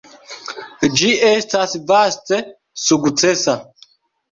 Ĝi estas vaste sukcesa.